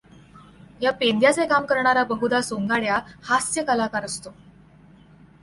या पेंद्याचे काम करणारा बहुधा सोंगाड्या हास्य कलाकार असतो.